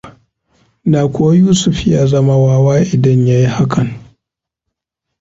Da kuwa Yusuf ya zama wawa idan ya yi hakan.